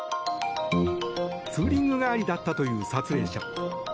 ツーリング帰りだったという撮影者。